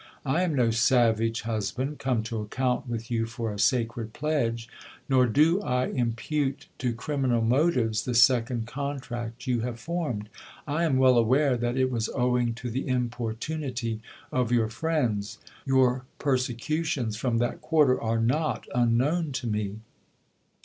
I am no savage husband, come to account with you for a sacred pledge ; nor do I impute to criminal motives the second contract you have formed. I am well aware that it was owing to the importunity of your friends ; your persecutions from that quarter are not unknown to me.